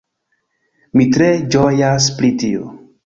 Mi tre ĝojas pri tio